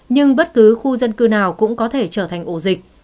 nhưng bất cứ khu dân cư nào cũng có thể trở thành ổ dịch